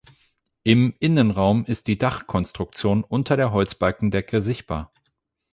Im Innenraum ist die Dachkonstruktion unter der Holzbalkendecke sichtbar.